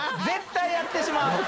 絶対やってしまう！